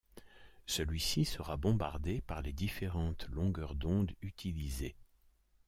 Celui-ci sera bombardé par les différentes longueurs d’onde utilisées.